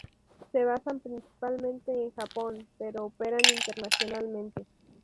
Se basan principalmente en Japón, pero operan internacionalmente.